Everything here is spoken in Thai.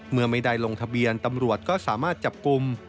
เมื่อไม่ได้ลงทะเบียนตำรวจก็สามารถจับกลุ่ม